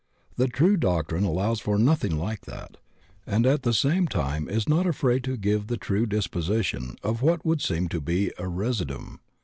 The true doctrine allows for nothing like that, and at the same time is not afraid to give the true disposition of what would seem to be a residuum.